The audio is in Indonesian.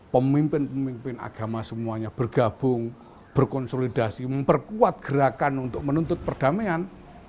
pemimpin pemimpin agama semuanya bergabung berkonsolidasi memperkuat gerakan untuk menuntut perdamaian